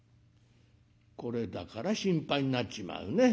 「これだから心配になっちまうね。